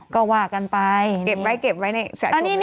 ก็ว่ากันไปนี่เก็บไว้ในแสดง